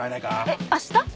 えっ明日！？